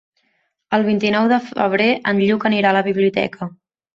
El vint-i-nou de febrer en Lluc anirà a la biblioteca.